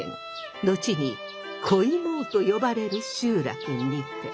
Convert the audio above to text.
後に小芋生と呼ばれる集落にて。